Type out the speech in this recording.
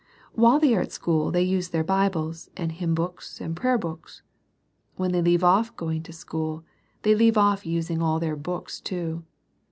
While they are at school they use their Bibles, and hymn books, and prayer books. When they leave off going to school, they leave off using all their books too.